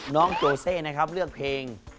น้องโจเซ่นะครับเลือกเพลง